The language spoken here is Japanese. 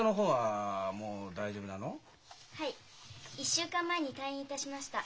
１週間前に退院いたしました。